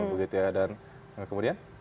begitu ya dan kemudian